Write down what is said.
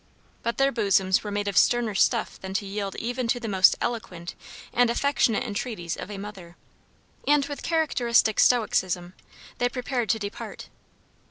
But their bosoms were made of sterner stuff than to yield even to the most eloquent and affectionate entreaties of a mother, and with characteristic stoicism they prepared to depart.